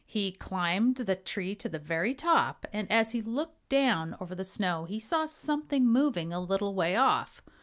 He climbed the tree to the very top and as he looked down over the snow he saw something moving a little way off.